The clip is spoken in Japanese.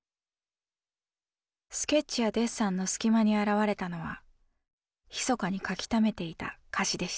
スケッチやデッサンの隙間に現れたのは密かに書きためていた歌詞でした。